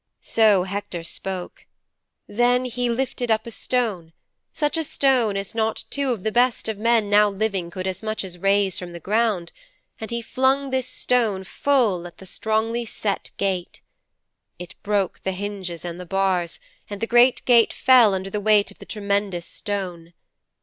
"' 'So Hector spoke. Then he lifted up a stone such a stone as not two of the best of men now living could as much as raise from the ground and he flung this stone full at the strongly set gate. It broke the hinges and the bars, and the great gate fell under the weight of the tremendous stone.